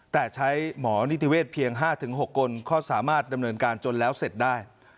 แต่ใช้หมอนิติเวศเพียง๕๖คนก็สามารถดำเนินการจนแล้วเสร็จได้